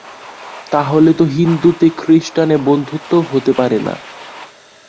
তা হলে তো হিন্দুতে খৃস্টানে বন্ধুত্বও হতে পারে না।